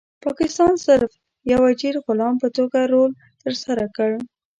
پاکستان صرف د یو اجیر غلام په توګه رول ترسره کړ.